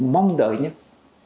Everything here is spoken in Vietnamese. mong đợi nhất